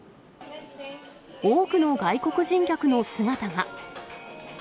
多くの外国人客の姿が。